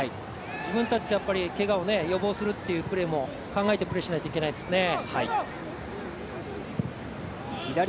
自分たちでけがを予防するというプレーも考えてプレーしないといけないですね。